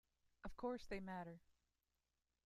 Of course they matter!